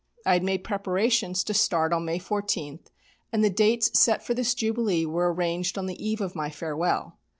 I had made preparations to start on May 14, and the dates set for this jubilee were arranged on the eve of my farewell.